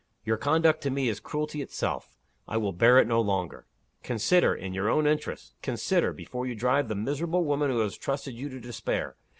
Your conduct to me is cruelty itself; I will bear it no longer. Consider! in your own interests, consider before you drive the miserable woman who has trusted you to despair.